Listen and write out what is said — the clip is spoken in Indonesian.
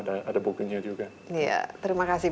ada bukunya juga ya terima kasih